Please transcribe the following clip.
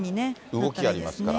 動きありますから。